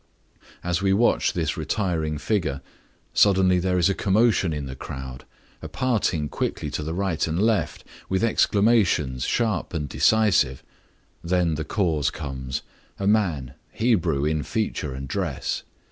As we watch his retiring figure, suddenly there is a commotion in the crowd, a parting quickly to the right and left, with exclamations sharp and decisive. Then the cause comes—a man, Hebrew in feature and dress.